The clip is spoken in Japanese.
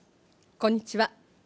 こんにちは。